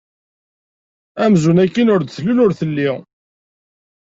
Amzun akken ur d-tlul ur telli.